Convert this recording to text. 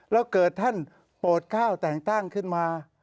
แล้วเกิดท่านโปรด๙แต่งขึ้นมา